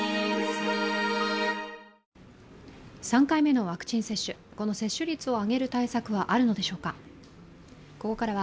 ３回目のワクチン接種、この接種率を上げる対策はあるのでしょうか。